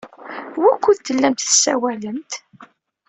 Wukud tellamt tessawalemt?